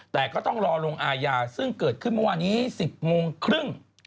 แต่ก็ต้องรอลงอาญาซึ่งเกิดขึ้นเมื่อวานนี้๑๐โมงครึ่ง